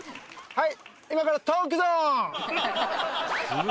はい。